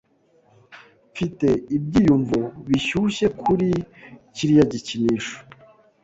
Mfite ibyiyumvo bishyushye kuri kiriya gikinisho.